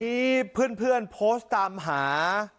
นี้เพื่อนโพสต์ตามหา